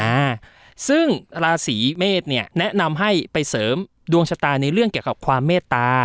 อ่าซึ่งราศีเมษเนี่ยแนะนำให้ไปเสริมดวงชะตาในเรื่องเกี่ยวกับความเมตตา